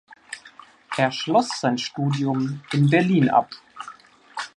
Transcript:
Er schloss sein Studium in Berlin ab.